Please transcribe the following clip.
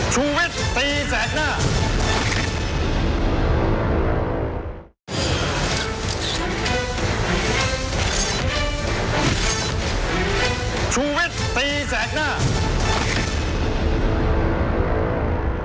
ชูวิทย์ตีแสกหน้า